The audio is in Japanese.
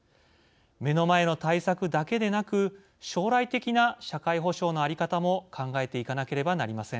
目の前の対策だけでなく将来的な社会保障の在り方も考えていかなければなりません。